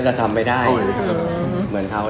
ในสถานะรุ่นที่เคยแต่งมาก่อน